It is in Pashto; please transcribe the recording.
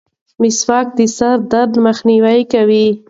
مسواک د سر درد مخنیوی کوي.